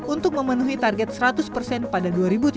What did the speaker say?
untuk memenuhi target seratus pada dua ribu tiga puluh